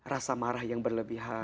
rasa marah yang berlebihan